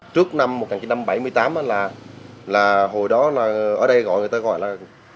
trước năm một nghìn chín trăm bảy mươi tám là hồi đó là ở đây gọi người ta gọi là